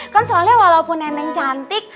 kan soalnya walaupun nenek cantik